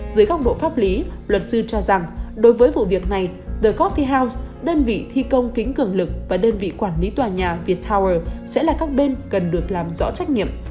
dưới góc độ pháp lý luật sư cho rằng đối với vụ việc này the cop fi health đơn vị thi công kính cường lực và đơn vị quản lý tòa nhà viettower sẽ là các bên cần được làm rõ trách nhiệm